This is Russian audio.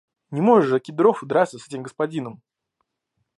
Не может же Кедров драться с этим господином!